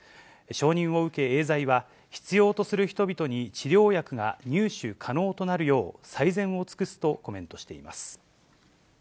承認を受けエーザイは、必要とする人々に治療薬が入手可能となるよう、最善を尽くすとコメントしています。